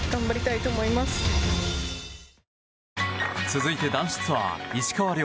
続いて、男子ツアー石川遼。